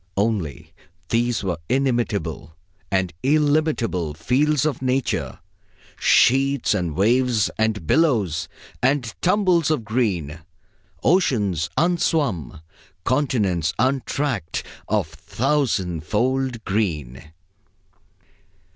Only, these were the inimitable and illimitable fields of Nature. Sheets and waves and billows and tumbles of green; oceans unswum, continents untracked, of thousandfold green.